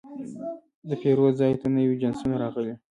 د پیرود ځای ته نوي جنسونه راغلي.